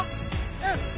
うん。